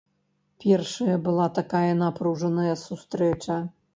Першая была такая напружаная сустрэча.